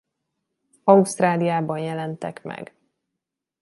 Ausztráliában jelentek meg.